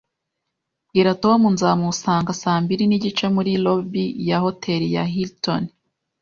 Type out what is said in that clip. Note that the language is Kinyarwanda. Bwira Tom nzamusanga saa mbiri nigice muri lobby ya Hotel ya Hilton